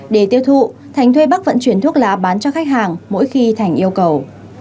để tiêu thụ thành thuê bắc vận chuyển thuốc lá bán cho khách hàng mỗi khi thành yêu cầu